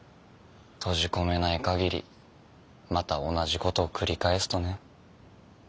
閉じ込めない限りまた同じ事を繰り返すとね。